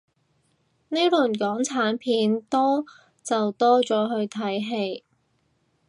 呢輪港產片多就多咗去睇戲